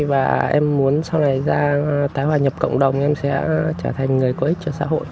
và em muốn sau này ra tái hòa nhập cộng đồng em sẽ trở thành người có ích cho xã hội